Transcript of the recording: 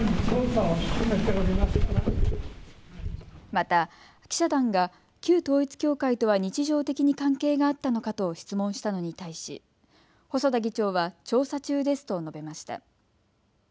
また記者団が旧統一教会とは日常的に関係があったのかと質問したのに対し細田議長は調査中ですと述べました。